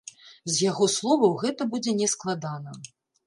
З яго словаў, гэта будзе нескладана.